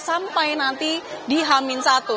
sampai nanti dihamin satu